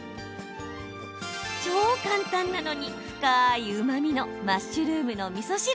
超簡単なのに、深いうまみのマッシュルームのみそ汁。